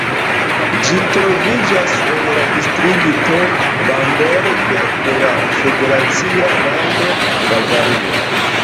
Ĝi troviĝas en la distrikto Bamberg de la federacia lando Bavario.